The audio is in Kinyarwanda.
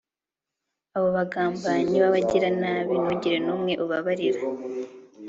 abo bagambanyi b'abagiranabi, ntugire n'umwe ubabarira